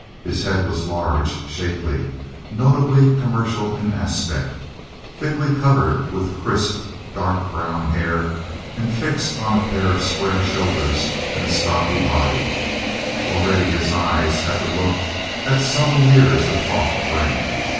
His head was large, shapely, notably commercial in aspect, thickly covered with crisp, dark brown hair and fixed on a pair of square shoulders and a stocky body. Already his eyes had the look that subtle years of thought bring.